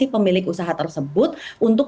pemilik usaha tersebut untuk